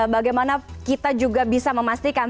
bagaimana kita juga bisa memastikan